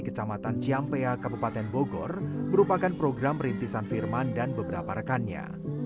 kecamatan ciampea kabupaten bogor merupakan program rintisan firman dan beberapa rekannya